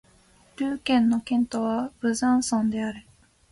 ドゥー県の県都はブザンソンである